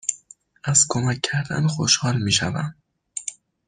از کمک کردن خوشحال می شوم.